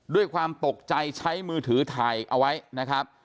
ด้วยความตกใจใช้มือถือถ่ายเอาไว้นะครับ